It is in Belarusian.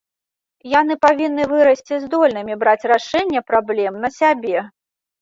Яны павінны вырасці здольнымі браць рашэнне праблем на сябе.